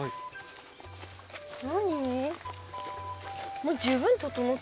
何？